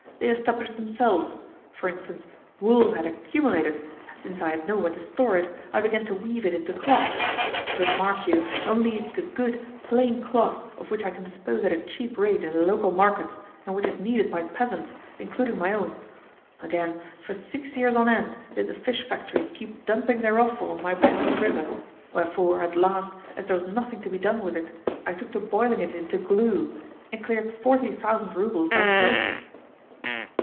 They established themselves. For instance, wool had accumulated, and since I had nowhere to store it, I began to weave it into cloth but, mark you, only into good, plain cloth of which I can dispose at a cheap rate in the local markets, and which is needed by peasants, including my own. Again, for six years on end did the fish factories keep dumping their offal on my bank of the river; wherefore, at last, as there was nothing to be done with it, I took to boiling it into glue, and cleared forty thousand roubles by the process."